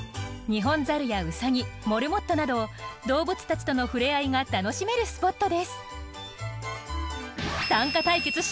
ニホンザルやウサギモルモットなど動物たちとのふれあいが楽しめるスポットです。